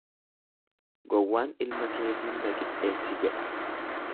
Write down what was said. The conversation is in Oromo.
Gowwaan ilma keetiin na qixxeessi jedha.